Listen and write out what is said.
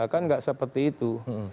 kan nggak seperti itu